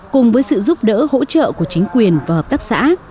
cùng với sự giúp đỡ hỗ trợ của chính quyền và hợp tác xã